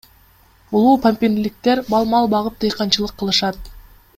Улуупамирликтер мал багып, дыйканчылык кылышат.